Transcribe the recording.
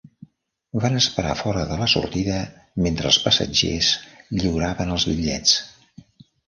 Van esperar fora de la sortida mentre els passatgers lliuraven els bitllets.